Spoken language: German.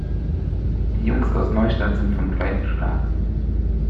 Die Jungs aus Neustadt sind vom gleichen Schlag.